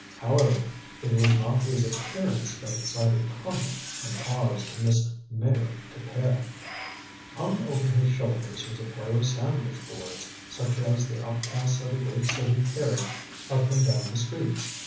However, it was not his appearance that excited comment and caused Miss Meyrick to pale. Hung over his shoulders was a pair of sandwich boards such as the outcasts of a great city carry up and down the streets.